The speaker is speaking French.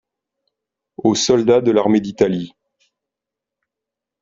Aux soldats de l'armée d'Italie.